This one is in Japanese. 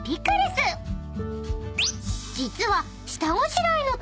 ［実は］